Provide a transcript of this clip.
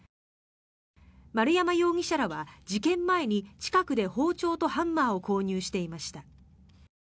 丸山容疑者らは事件前に近くで包丁とハンマーを購入していました。